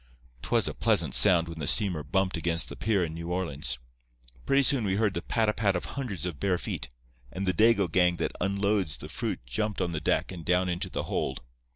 "'Twas a pleasant sound when the steamer bumped against the pier in New Orleans. Pretty soon we heard the pat a pat of hundreds of bare feet, and the Dago gang that unloads the fruit jumped on the deck and down into the hold.